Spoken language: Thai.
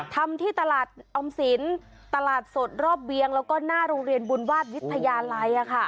ทำที่ตลาดออมสินตลาดสดรอบเวียงแล้วก็หน้าโรงเรียนบุญวาสวิทยาลัย